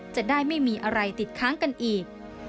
จะได้ไม่มีอะไรติดค้างกันอีก